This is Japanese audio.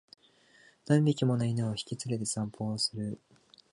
何匹もの犬を引き連れて散歩する